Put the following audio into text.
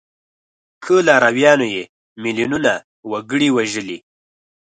که لارویانو یې میلیونونه وګړي وژلي.